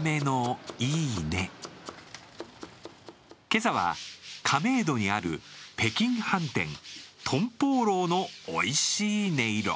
今朝は亀戸にある北京飯店、トンポーローのおいしい音色。